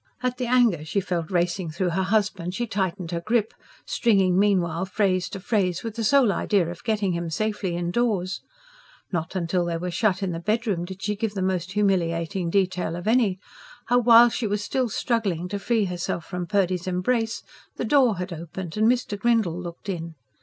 At the anger she felt racing through her husband she tightened her grip, stringing meanwhile phrase to phrase with the sole idea of getting him safely indoors. Not till they were shut in the bedroom did she give the most humiliating detail of any: how, while she was still struggling to free herself from Purdy's embrace, the door had opened and Mr. Grindle looked in.